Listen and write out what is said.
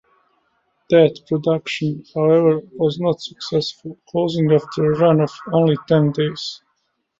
That production, however, was not successful, closing after a run of only ten days.